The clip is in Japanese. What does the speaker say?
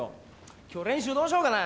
今日練習どうしようかな？